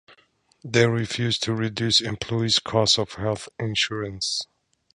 They refuse to reduce employees’ cost of health insurance.